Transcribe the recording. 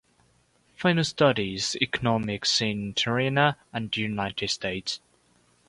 Fino studied economics in Tirana and the United States.